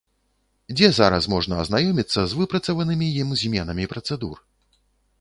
Дзе зараз можна азнаёміцца з выпрацаванымі ім зменамі працэдур?